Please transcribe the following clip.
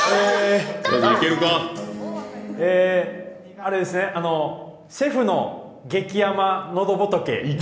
あれですね、シェフの激甘のど仏？